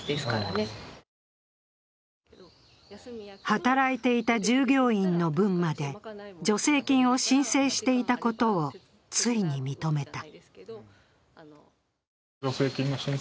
働いていた従業員の分まで助成金を申請していたことをついに認めた。